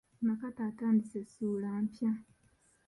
Nakato atandise ssuula mpya.